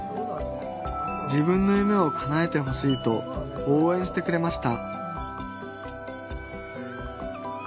自分の夢をかなえてほしいとおうえんしてくれました